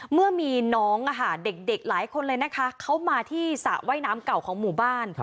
เมื่อมีน้องเด็กหลายคนเลยนะคะเขามาที่สระว่ายน้ำเก่าของหมู่บ้าน